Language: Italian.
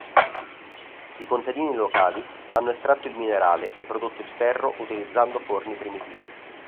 I contadini locali hanno estratto il minerale e prodotto il ferro utilizzando forni primitivi.